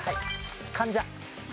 患者。